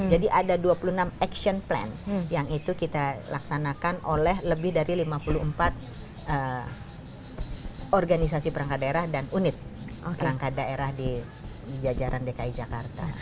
jadi ada dua puluh enam action plan yang itu kita laksanakan oleh lebih dari lima puluh empat organisasi perangkat daerah dan unit perangkat daerah di jajaran dki jakarta